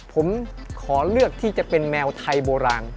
ผมขอเลือกที่จะเป็นแมวไทยโบราณ